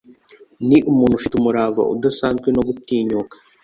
ni umuntu ufite umurava udasanzwe no gutinyuka